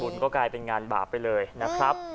คุณก็กลายเป็นงานบาปไปเลยนะครับ